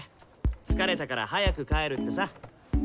疲れたから早く帰るってさ。